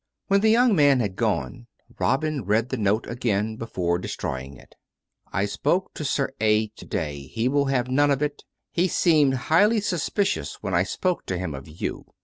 When the young man had gone Robin read the note again before destroying it. " I spoke to Sir A. to day. He will have none of it. He seemed liighly suspicious when I spoke to him of you.